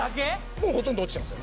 もうほとんど落ちてますよ